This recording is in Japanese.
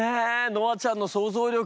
ノアちゃんの想像力。